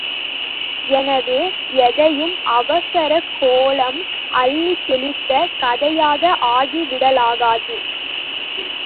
எனவே, எதையும் அவசரக் கோலம் அள்ளித் தெளித்த கதையாக ஆக்கி விடலாகாது.